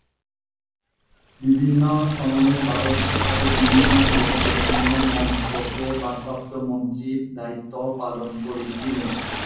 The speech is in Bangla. বিভিন্ন সময়ে ভারত সরকারের বিভিন্ন গুরুত্বপূর্ণ মন্ত্রকের ভারপ্রাপ্ত মন্ত্রীর দায়িত্বও পালন করেছিলেন।